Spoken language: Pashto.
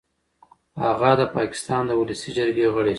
هغه د پاکستان د ولسي جرګې غړی شو.